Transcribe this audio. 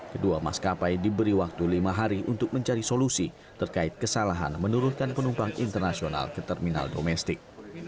kedua maskapai diberi waktu lima hari untuk mencari solusi terkait kesalahan menurunkan penumpang internasional ke terminal domestik